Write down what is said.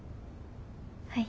はい。